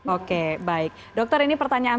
oke baik dokter ini pertanyaan